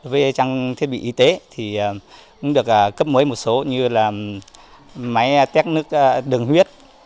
với trang thiết bị y tế cũng được cấp mới một số như máy tét nước đường huyết